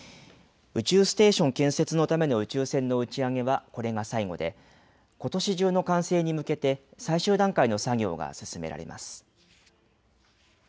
宇宙ステーション建設のための宇宙船の打ち上げはこれが最後でことし中の完成に向けて最終段階の作業が進められます。